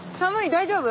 大丈夫？